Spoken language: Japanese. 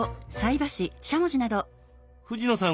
藤野さん